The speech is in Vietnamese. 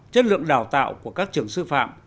chất lượng đào tạo của các trường sư phạm